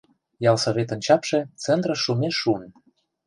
Ялсоветын чапше центрыш шумеш шуын.